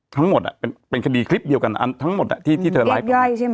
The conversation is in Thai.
ทั้งหมดเป็นคดีคลิปเดียวกันทั้งหมดที่เธอไลฟ์ใช่ไหม